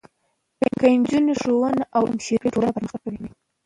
که نجونې ښوونه او علم شریک کړي، ټولنه پرمختګ کوي.